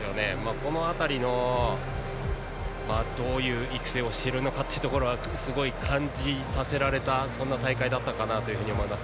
この辺り、どういう育成をしているのかというところもすごい感じさせられた大会だったなと思います。